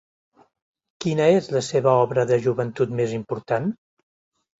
Quina és la seva obra de joventut més important?